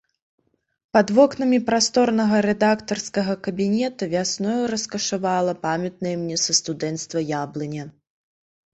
Пад вокнамі прасторнага рэдактарскага кабінета вясною раскашавала памятная мне са студэнцтва яблыня.